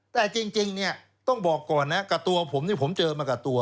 แต่จริงเนี่ยต้องบอกก่อนนะกับตัวผมนี่ผมเจอมากับตัว